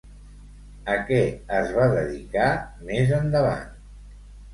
A què es va dedicar més endavant?